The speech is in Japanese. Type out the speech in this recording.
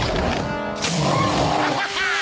ハハハハ！